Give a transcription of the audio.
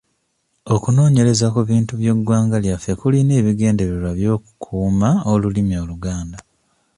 Okunoonyereza ku bintu by'eggwanga lyange kulina ebigendererwa by'okukuuma olulimi Oluganda.